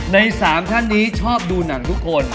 ใน๓ท่านนี้ชอบดูหนังทุกคน